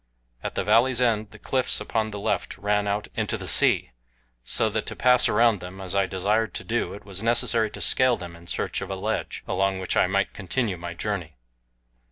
At the valley's end the cliffs upon the left ran out into the sea, so that to pass around them as I desired to do it was necessary to scale them in search of a ledge along which I might continue my journey.